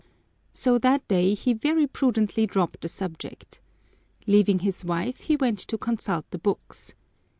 _ So that day he very prudently dropped the subject. Leaving his wife, he went to consult the books.